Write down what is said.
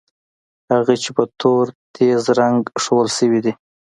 هغه چې په تور تېز رنګ ښودل شوي دي.